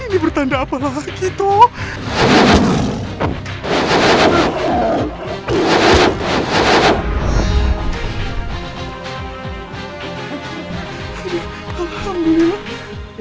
ini bertanda apa lagi toh